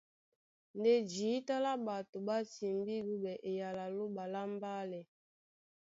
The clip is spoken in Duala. Ndé jǐta lá ɓato ɓá timbí dúɓɛ eyala a Lóɓa lá mbálɛ.